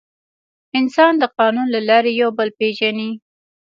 انسان د قانون له لارې یو بل پېژني.